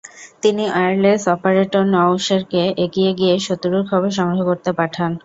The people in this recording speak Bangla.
তিনি ওয়্যারলেস অপারেটর নওশেরকে এগিয়ে গিয়ে শত্রুর খবর সংগ্রহ করতে পাঠান।